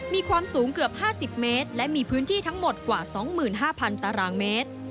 มีความสูงเกือบ๕๐เมตรและมีพื้นที่ทั้งหมดกว่า๒๕๐๐ตารางเมตร